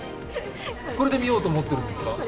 これで見ようと思ってるんですか？